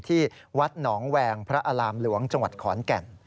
ที่วัดหนองแวงพระอารามหลวงจังหวัดขอนแก่น